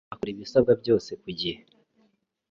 Akora ibisabwa byose kugihe